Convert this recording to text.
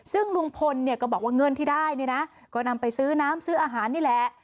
ซึ่งลุงพลเนี่ยก็บอกว่าเงินที่ได้เนี่ยนะก็นำไปซื้อน้ำซื้ออาหารนี่แหละ